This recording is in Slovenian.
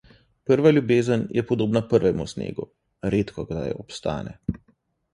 Prva ljubezen je podobna prvemu snegu; redkokdaj obstane.